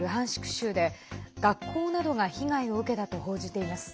州で学校などが被害を受けたと報じています。